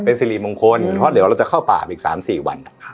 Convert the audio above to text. สิริมงคลเพราะเดี๋ยวเราจะเข้าป่าไปอีก๓๔วัน